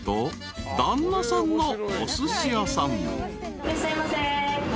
いらっしゃいませ。